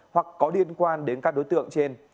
hoặc có liên quan đến các đối tượng trên